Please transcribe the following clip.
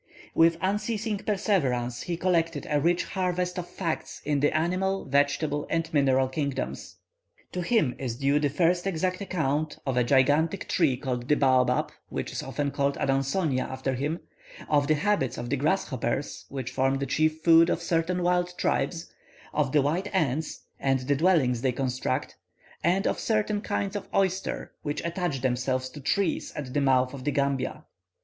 With unceasing perseverance, he collected a rich harvest of facts in the animal, vegetable, and mineral kingdoms. To him is due the first exact account of a gigantic tree called the Baobab, which is often called Adansonia after him; of the habits of the grasshoppers, which form the chief food of certain wild tribes; of the white ants, and the dwellings they construct; and of a certain kind of oyster, which attach themselves to trees at the mouth of the Gambia.